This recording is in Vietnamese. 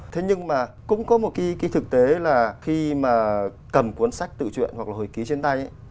thế nhưng mà cũng có một cái thực tế là khi mà cầm cuốn sách tự truyện hoặc là hồi ký trên tay